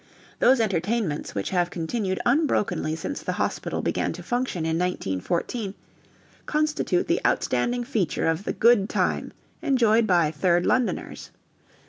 Those entertainments, which have continued unbrokenly since the hospital began to function in 1914, constitute the outstanding feature of the "good time" enjoyed by 3rd Londoners.